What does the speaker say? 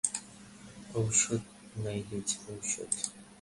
ওষুধ, নাইজেল, ওষুধ।